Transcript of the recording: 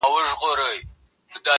زموږ په مخکي ورځي شپې دي سفرونه -